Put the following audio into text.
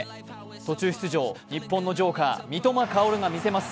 途中出場、日本のジョーカー三笘薫が見せます。